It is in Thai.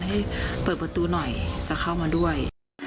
ให้เปิดประตูหน่อยจะเข้ามาด้วย